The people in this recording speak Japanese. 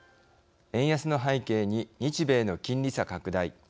円安の背景に日米の金利差拡大。